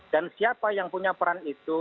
dan siapa yang punya peran itu